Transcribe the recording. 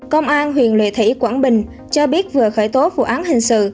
công an huyện lệ thủy quảng bình cho biết vừa khởi tố vụ án hình sự